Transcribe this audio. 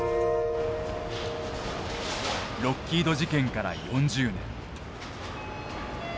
ロッキード事件から４０年。